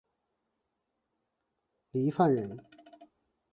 郦范人。